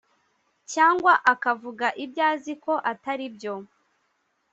cyangwa akavuga ibyo azi ko atari byo